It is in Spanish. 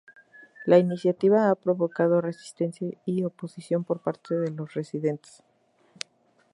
La iniciativa ha provocado resistencia y oposición por parte de los residentes.